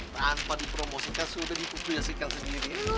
tanpa dipromosikan sudah dipubliasikan sendiri